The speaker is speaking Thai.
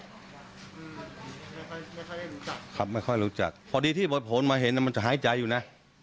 ไม่ค่อยไม่ค่อยได้รู้จักครับไม่ค่อยรู้จักพอดีที่บทผลมาเห็นมันจะหายใจอยู่นะ